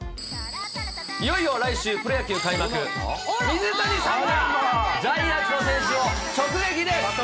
いよいよ来週、プロ野球開幕、水谷さんが、ジャイアンツの選手を直撃です。